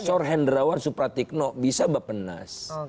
ada prof hendrawan supratikno bisa bapak nas